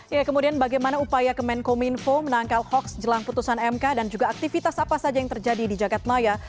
ya kemudian bagaimana upaya kemenkominfo menangkal hoax jelang putusan mk dan juga aktivitas apa saja yang terjadi di jagadmaya